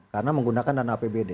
karena menggunakan dana apbd